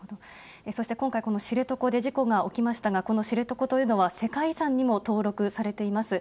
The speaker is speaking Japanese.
そして今回、この知床で事故が起きましたが、この知床というのは世界遺産にも登録されています。